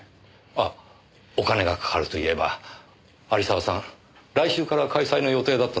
あっお金がかかるといえば有沢さん来週から開催の予定だったそうですね。